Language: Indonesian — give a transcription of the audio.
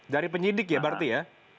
dari penyidik ya berarti ya